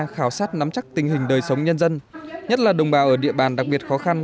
khảo sát nắm chắc tình hình đời sống nhân dân nhất là đồng bào ở địa bàn đặc biệt khó khăn